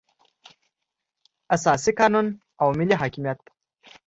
اساسي قانون او ملي حاکمیت.